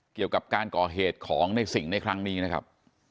เกี่ยวกับการก่อเหตุของในสิ่งในครั้งนี้นะครับ